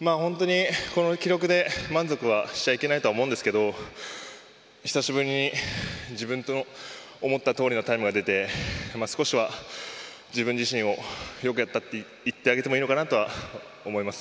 本当に、この記録で満足はしちゃいけないと思うんですけど久しぶりに自分の思ったとおりのタイムが出て少しは自分自身をよくやったって言ってあげていいのかなと思います。